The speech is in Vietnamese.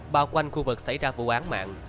bào quanh khu vực xảy ra vụ án mạng